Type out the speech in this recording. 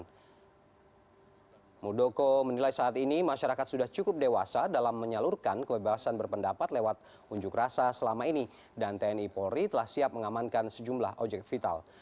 pemerintah muldoko menilai saat ini masyarakat sudah cukup dewasa dalam menyalurkan kebebasan berpendapat lewat unjuk rasa selama ini dan tni polri telah siap mengamankan sejumlah ojek vital